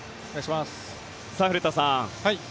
古田さん